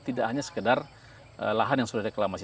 tidak hanya sekedar lahan yang sudah reklamasi